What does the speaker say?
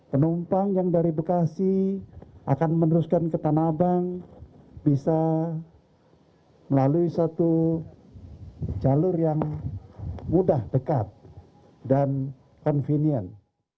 penumpang yang dari bekasi akan meneruskan ke tanah abang bisa melalui satu jalur yang mudah dekat dan convenient